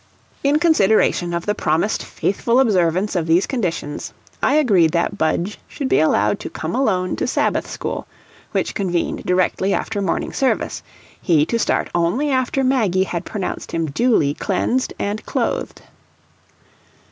In consideration of the promised faithful observance of these conditions I agreed that Budge should be allowed to come alone to Sabbath school, which convened directly after morning service, he to start only after Maggie had pronounced him duly cleansed and clothed.